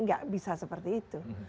nggak bisa seperti itu